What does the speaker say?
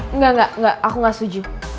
enggak enggak enggak aku gak setuju